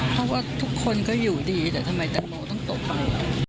เพราะว่าทุกคนก็อยู่ดีแต่ทำไมแตงโมต้องตกไป